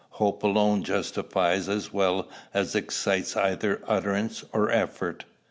Hope alone justifies as well as excites either utterance or effort."